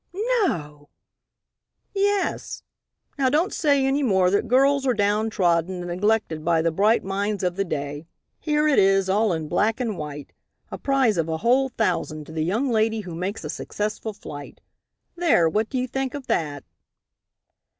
"No!" "Yes. Now don't say any more that girls are downtrodden and neglected by the bright minds of the day. Here it is, all in black and white, a prize of a whole thousand to the young lady who makes a successful flight. There, what do you think of that?"